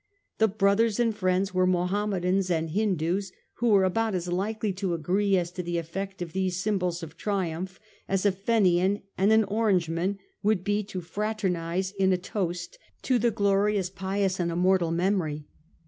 The brothers and Iriends were Mahometans and Hindoos, who were about as likely to agree as to the effect of these sym bols of triumph as a Fenian and an Orangeman would be to fraternize in a toast to the glorious, pious and immortal memory.